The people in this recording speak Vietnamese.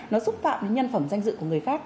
nó xúc phạm đến nhân phẩm danh dự của người khác